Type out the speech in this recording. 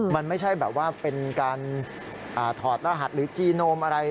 มันไม่ใช่แบบว่าเป็นการถอดรหัสหรือจีโนมอะไร